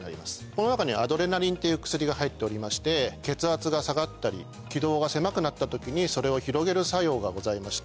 この中にはアドレナリンっていう薬が入っておりまして血圧が下がったり気道が狭くなった時にそれを広げる作用がございまして。